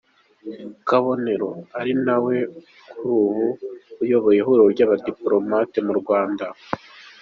Kabonero, ari nawe kuri ubu uyoboye ihuriro rw’abadipolomate mu Rwanda.